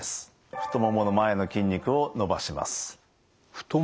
太ももの前の筋肉を伸ばします。